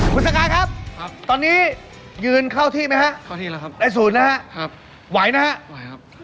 คุณสกายครับตอนนี้ยืนเข้าที่ไหมครับได้ศูนย์นะครับไหวนะครับ